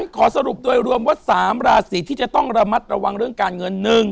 ขอสรุปโดยรวมว่า๓ราศีที่จะต้องระมัดระวังเรื่องการเงิน